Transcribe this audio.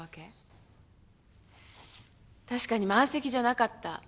確かに満席じゃなかった。